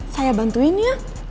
saya bantuin ya